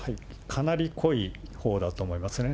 かなり濃いほうだと思いますね。